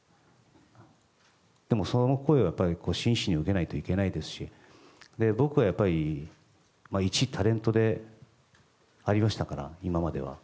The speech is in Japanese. でも、その声は真摯に受けないといけないですし僕は一タレントでありましたから今までは。